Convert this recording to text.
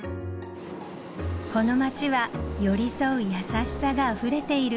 この街は寄り添う優しさがあふれている